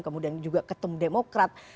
kemudian juga ketum demokrat